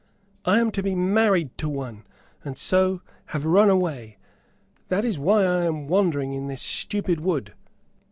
"I am to be married to one, and so have run away. That is why I am wandering in this stupid wood."